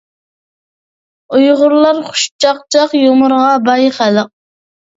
ئۇيغۇرلار خۇش چاقچاق، يۇمۇرغا باي خەلق.